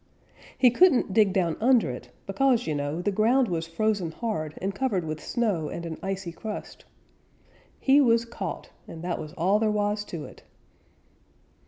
He couldn't dig down under it, because, you know, the ground was frozen hard and covered with snow and an icy crust. He was caught, and that was all there was to it.